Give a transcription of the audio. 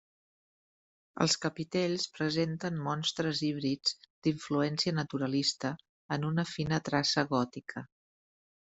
Els capitells presenten monstres híbrids d'influència naturalista, en una fina traça gòtica.